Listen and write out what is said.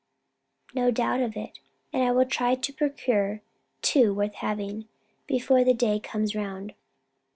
"No doubt of it; and I will try to procure two worth having, before the day comes round."